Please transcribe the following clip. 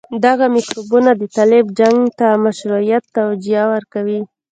دغه میکروبونه د طالب جنګ ته د مشروعيت توجيه ورکوي.